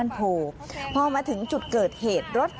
รถแผ่นจนเยียมพุทธ